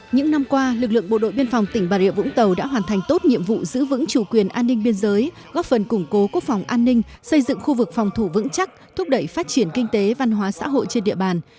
những năm qua lực lượng bộ đội biên phòng tỉnh bà rịa vũng tàu đã hoàn thành tốt nhiệm vụ giữ vững chủ quyền an ninh biên giới góp phần củng cố quốc phòng an ninh xây dựng khu vực phòng thủ vững chắc thúc đẩy phát triển kinh tế văn hóa xã hội trên địa bàn